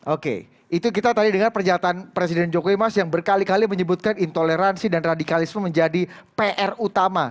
oke itu kita tadi dengar pernyataan presiden jokowi mas yang berkali kali menyebutkan intoleransi dan radikalisme menjadi pr utama